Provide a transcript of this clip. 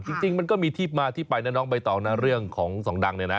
จริงมันก็มีที่มาที่ไปนะน้องใบตองนะเรื่องของสองดังเนี่ยนะ